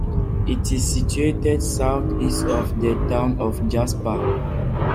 It is situated southeast of the town of Jasper.